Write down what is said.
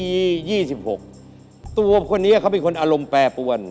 ตัวคนนี้เขาเป็นคนอารมณ์แปรปวน